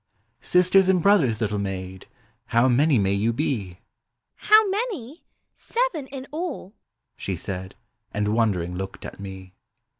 " Sisters and brothers, little maid, How manv mav vou be? "How many? Seven in all," she said, And wondering looked at me.